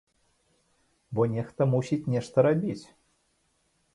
Бо нехта мусіць нешта рабіць.